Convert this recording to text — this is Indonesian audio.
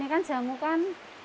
terus saya juga beri ke anak saya